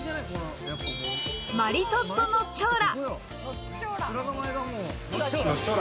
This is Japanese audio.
マリトッツォノッチョーラ。